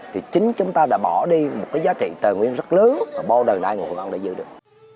thì chính chúng ta đã bỏ đi một cái giá trị tờ nguyên rất lớn mà bao đời đại của hội an đã giữ được